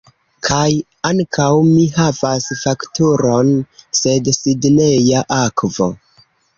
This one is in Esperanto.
Kaj ankaŭ mi havas fakturon de Sidneja Akvo.